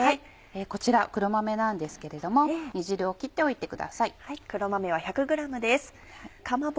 こちら黒豆なんですけれども煮汁を切っておいてください。